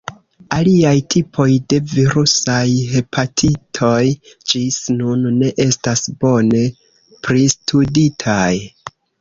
Aliaj tipoj de virusaj hepatitoj ĝis nun ne estas bone pristuditaj.